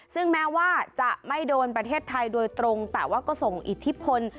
ซึ่งแม้ว่าจะไม่โดนประเทศไทยโดยตรงแต่ว่าก็ส่งอิทธิพล